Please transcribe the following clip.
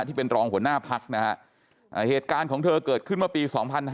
ที่เป็นรองหัวหน้าพักนะฮะเหตุการณ์ของเธอเกิดขึ้นเมื่อปี๒๕๕๙